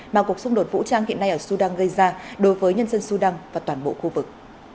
mà cuộc xung đột vũ trang hiện nay ở sudan gây ra đối với nhân dân sudan và toàn bộ khu vực